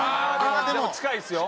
でも近いですよ。